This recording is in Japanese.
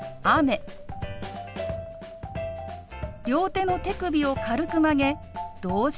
両手の手首を軽く曲げ同時に下ろします。